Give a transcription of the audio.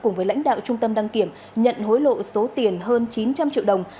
cùng với lãnh đạo trung tâm đăng kiểm nhận hối lộ số tiền hơn chín trăm linh triệu đồng